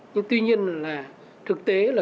nhưng tuy nhiên là thực tế